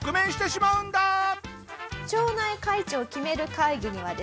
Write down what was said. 町内会長を決める会議にはですね